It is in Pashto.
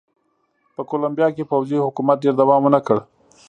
په کولمبیا کې پوځي حکومت ډېر دوام ونه کړ.